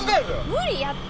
無理やって！